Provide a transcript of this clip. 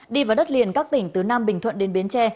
đi vào đất liền các tỉnh từ nam bình thuận đến bến tre